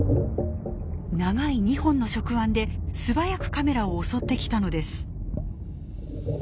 長い２本の触腕で素早くカメラを襲ってきたのです。